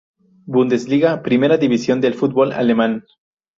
Bundesliga, primera división del fútbol alemán.